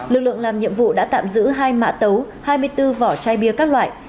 lực lượng làm nhiệm vụ đã tạm giữ hai mã tấu hai mươi bốn vỏ chai bia các loại